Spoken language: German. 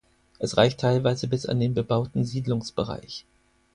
Es reicht teilweise bis an den bebauten Siedlungsbereich.